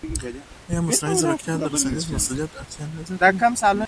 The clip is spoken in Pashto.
ایا مصنوعي ځیرکتیا د رسنیز مسوولیت اړتیا نه زیاتوي؟